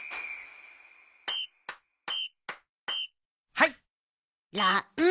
はい！